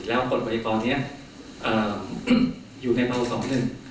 แล้วกฎไวยกรนี้อยู่ในภาวะสองหนึ่ง